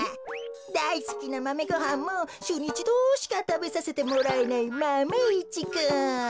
だいすきなマメごはんもしゅうにいちどしかたべさせてもらえないマメ１くん。